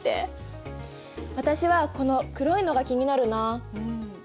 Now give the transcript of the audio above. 私はこの黒いのが気になるな。